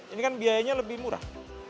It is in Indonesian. ini kan biayanya lebih murah